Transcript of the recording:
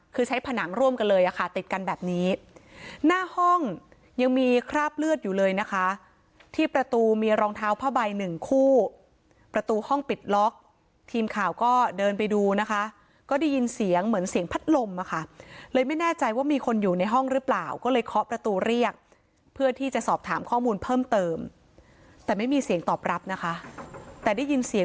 คือใช้ผนังร่วมกันเลยอ่ะค่ะติดกันแบบนี้หน้าห้องยังมีคราบเลือดอยู่เลยนะคะที่ประตูมีรองเท้าผ้าใบหนึ่งคู่ประตูห้องปิดล็อกทีมข่าวก็เดินไปดูนะคะก็ได้ยินเสียงเหมือนเสียงพัดลมอะค่ะเลยไม่แน่ใจว่ามีคนอยู่ในห้องหรือเปล่าก็เลยเคาะประตูเรียกเพื่อที่จะสอบถามข้อมูลเพิ่มเติมแต่ไม่มีเสียงตอบรับนะคะแต่ได้ยินเสียง